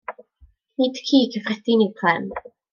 Nid ci cyffredin yw Clem!